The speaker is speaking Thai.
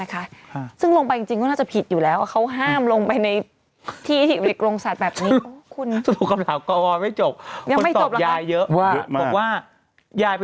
วันนี้เข้าทางมาเรื่องแล้วกับโทรศัพท์